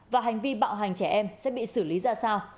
và hành vi bạo hành trẻ em sẽ bị xử lý ra sao